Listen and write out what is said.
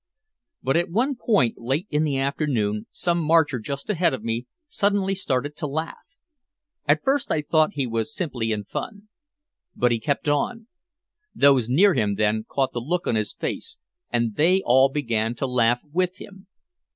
But at one point, late in the afternoon, some marcher just ahead of me suddenly started to laugh. At first I thought he was simply in fun. But he kept on. Those near him then caught the look on his face and they all began to laugh with him.